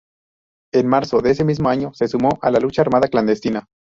En marzo de ese mismo año se sumó a la lucha armada clandestina.